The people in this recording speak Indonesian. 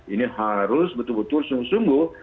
ini harus betul betul sungguh sungguh